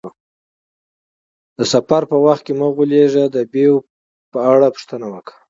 د سفر په وخت کې مه غولیږه، د بیو په اړه پوښتنه وکړه.